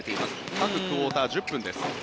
各クオーター１０分です。